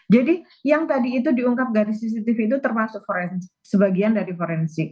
jadi yang tadi itu diungkap garis cctv itu termasuk sebagian dari forensik